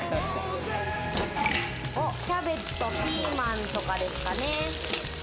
キャベツとピーマンとかですかね。